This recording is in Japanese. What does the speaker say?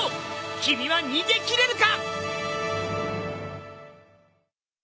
君は逃げ切れるか！？